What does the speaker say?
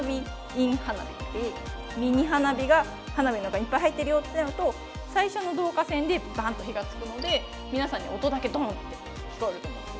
ミニ花火が花火の中にいっぱい入ってるよってなると最初の導火線でバーンと火がつくので皆さんには音だけドーンって聞こえると思うんです。